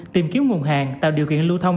tìm kiếm nguồn hàng tạo điều kiện lưu thông